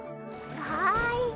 はい。